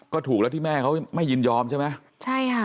ก็ถูกแล้วที่แม่เขาไม่ยินยอมใช่ไหมใช่ค่ะ